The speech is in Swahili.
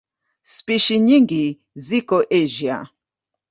Spishi nyingi ziko Asia.